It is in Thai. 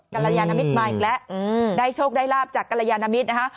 กรยานมิตรมาอีกแล้วได้โชคได้ลาบจากกรยานมิตรนะคะ